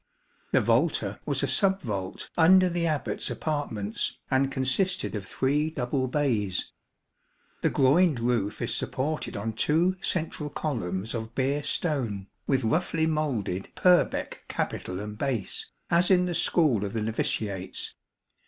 The volta was a sub vault under the Abbat's apartments, and consisted of three double bays. The groined roof is supported on two central columns of Beer stone, with roughly moulded Purbeck capital and base, as in the school of the novitiates.